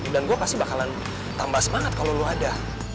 dan gue pasti bakalan tambah semangat kalo lo ada